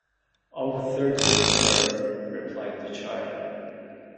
"Over thirteen, sir," replied the child.